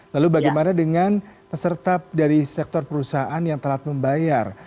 lalu bagaimana dengan peserta dari sektor perusahaan yang telat membayar